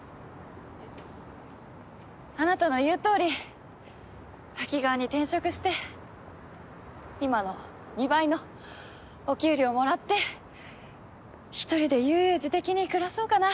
あなたの言うとおりタキガワに転職して今の２倍のお給料もらって１人で悠々自適に暮らそうかな。